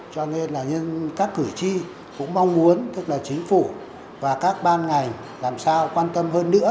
cho nên là các cử tri cũng mong muốn tức là chính phủ và các ban ngành làm sao quan tâm hơn nữa